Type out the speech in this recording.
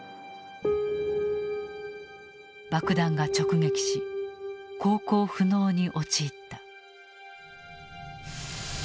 爆弾が直撃し航行不能に陥った。